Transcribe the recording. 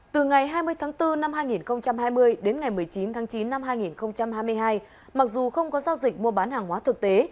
từ ngày hai mươi tháng bốn năm hai nghìn hai mươi đến ngày một mươi chín tháng chín năm hai nghìn hai mươi hai mặc dù không có giao dịch mua bán hàng hóa thực tế